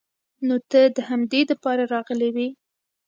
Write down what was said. نو ته د همدې د پاره راغلې وې.